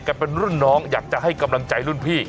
เป็นรุ่นน้องอยากจะให้กำลังใจรุ่นพี่